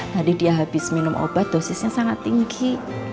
tadi dia habis minum obat dosisnya sangat tinggi